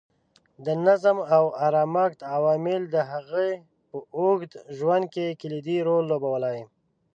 د نظم او ارامښت عواملو د هغې په اوږد ژوند کې کلیدي رول لوبولی.